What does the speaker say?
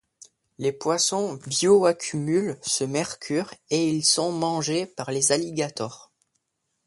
Les poissons bioaccumulent ce mercure et ils sont mangés par les alligators.